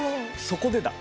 そこでだ。